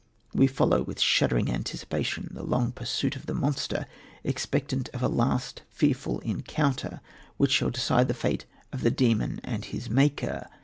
We follow with shuddering anticipation the long pursuit of the monster, expectant of a last, fearful encounter which shall decide the fate of the demon and his maker.